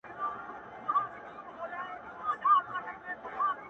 کلونه کیږي بې ځوابه یې بې سواله یې;